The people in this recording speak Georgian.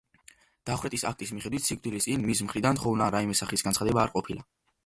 დახვრეტის აქტის მიხედვით სიკვდილის წინ მისი მხრიდან თხოვნა ან რაიმე სახის განცხადება არ ყოფილა.